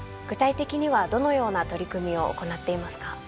具体的にはどのような取り組みを行っていますか？